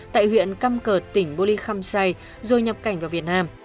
tại huyện căm cợt tỉnh bô lê khâm say rồi nhập cảnh vào việt nam